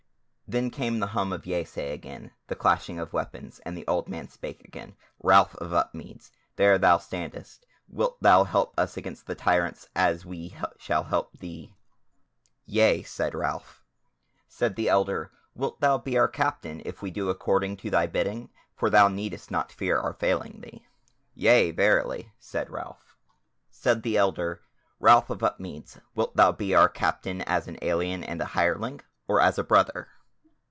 Then came the hum of yeasay again, the clashing of weapons, and the old man spake again: "Ralph of Upmeads, there thou standest, wilt thou help us against the tyrants, as we shall help thee?" "Yea," said Ralph. Said the Elder: "Wilt thou be our Captain, if we do according to thy bidding? For thou needest not fear our failing thee." "Yea verily," said Ralph. Said the Elder: "Ralph of Upmeads, wilt thou be our Captain as an alien and a hireling, or as a brother?"